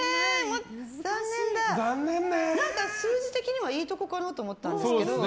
数字的にはいいところかなと思ったんですけど。